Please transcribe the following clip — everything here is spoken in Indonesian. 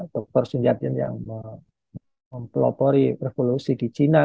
tidak ada yang mempelopori revolusi di china